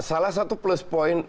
salah satu plus point